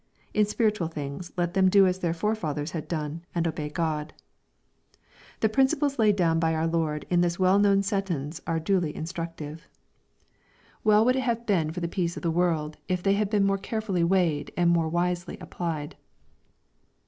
In spiritual things let them do as their forefathers had done, and obey God. The principles laid down by our Ic rd in this well known sentence are deeply instructive. Well would i1 884 EXPOSITOBY THOUGHTS. have been for the peace of the world, if they had been more carefully weighed and more wisely applied